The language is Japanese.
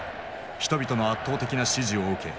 人々の圧倒的な支持を受け